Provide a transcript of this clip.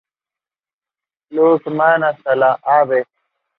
Llucmajor hasta la Av.